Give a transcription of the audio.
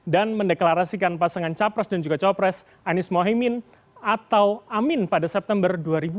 dan mendeklarasikan pasangan capres dan juga copres anies mohaimin atau amin pada september dua ribu dua puluh tiga